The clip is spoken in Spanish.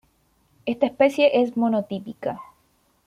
Esta especie es monotípica.